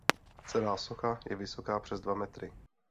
Celá socha je vysoká přes dva metry.